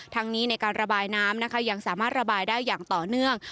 นี้ในการระบายน้ำนะคะยังสามารถระบายได้อย่างต่อเนื่อง